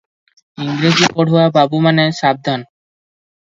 ଇଂରେଜୀ ପଢୁଆ ବାବୁମାନେ ସାବଧାନ!